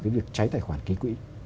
việc cháy tài khoản ký quỹ